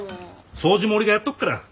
掃除も俺がやっとくから。